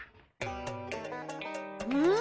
うん？